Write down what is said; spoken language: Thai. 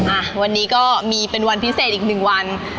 อ่ะวันนี้ก็มีเป็นวันพิเศษอีกหนึ่งวัน